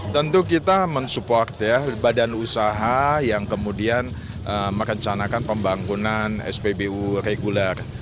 tentu kita mensupport ya badan usaha yang kemudian merencanakan pembangunan spbu reguler